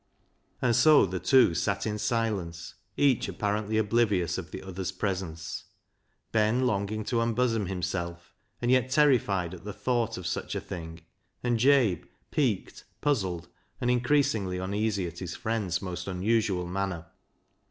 And so the two sat in silence, each apparently oblivious of the other's presence, Ben longing to unbosom himself, and yet terrified at the thought of such a thing, and Jabe piqued, puzzled, and increasingly uneasy at his friend's most unusual manner.